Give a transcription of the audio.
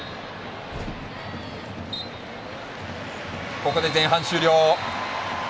ここで前半終了。